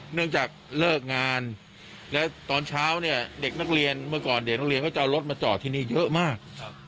เนื่องจากเลิกงานแล้วตอนเช้าเนี่ยเด็กนักเรียนเมื่อก่อนเด็กนักเรียนก็จะเอารถมาจอดที่นี่เยอะมาก